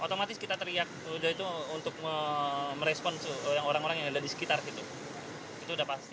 otomatis kita teriak untuk merespon orang orang yang ada di sekitar itu sudah pasti